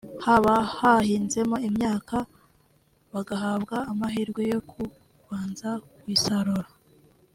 haba hahinzemo imyaka bagahabwa amahirwe yo kubanza kuyisarura